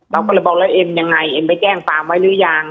เราก็เลยบอกแล้วเอ็มยังไงเอ็มไปแจ้งความไว้หรือยัง